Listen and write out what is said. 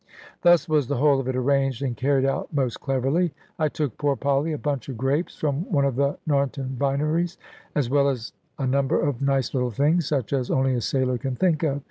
Thus was the whole of it arranged, and carried out most cleverly. I took poor Polly a bunch of grapes, from one of the Narnton vineries, as well as a number of nice little things, such as only a sailor can think of.